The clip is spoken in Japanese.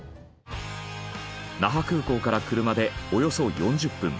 那覇空港から車でおよそ４０分。